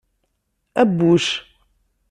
Abbuc.